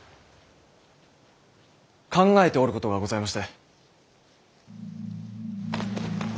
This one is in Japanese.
考えておることがございまして。